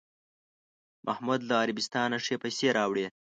محمود له عربستانه ښې پسې راوړې.